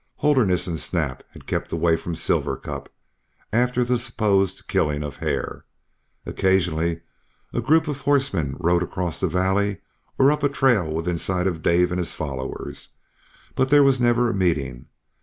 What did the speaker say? Holderness and Snap had kept away from Silver Cup after the supposed killing of Hare. Occasionally a group of horsemen rode across the valley or up a trail within sight of Dave and his followers, but there was never a meeting.